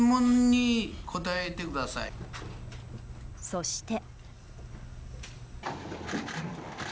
そして。